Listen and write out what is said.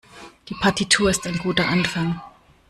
Die Partitur ist ein guter Anfang.